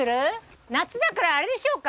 夏だからあれにしようか。